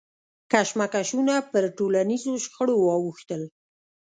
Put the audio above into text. کشمکشونه پر ټولنیزو شخړو واوښتل.